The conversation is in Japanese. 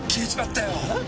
えっ！？